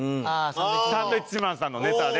サンドウィッチマンさんのネタで。